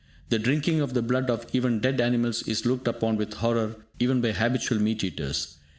The drinking of the blood of even dead animals is looked upon with horror even by habitual meat eaters.